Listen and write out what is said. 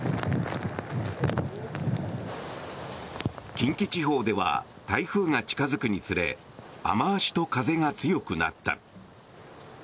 近畿地方では台風が近付くにつれ雨脚と風が強くなった。